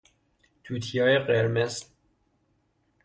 توتیای قرمز